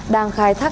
đang khai thác